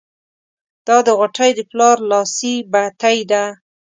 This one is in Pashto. دا د غوټۍ د پلار لاسي بتۍ ده.